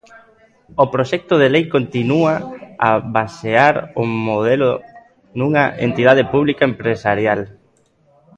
O proxecto de lei continúa a basear o modelo nunha entidade pública empresarial.